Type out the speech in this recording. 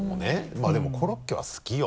まぁでもコロッケは好きよ